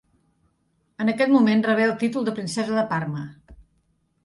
En aquest moment rebé el títol de princesa de Parma.